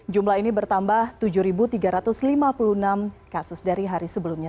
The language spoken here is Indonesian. jumlah ini bertambah tujuh tiga ratus lima puluh enam kasus dari hari sebelumnya